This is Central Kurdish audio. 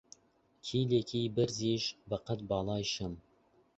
کیلێکی بەرزیش بە قەت باڵای شەم